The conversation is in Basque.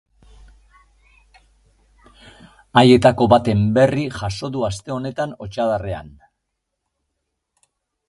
Haietako baten berri jaso du aste honetako hotsadarrean.